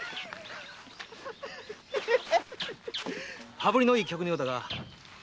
羽振りのいい客のようだが今の旦那は？